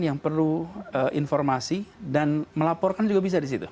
yang perlu informasi dan melaporkan juga bisa di situ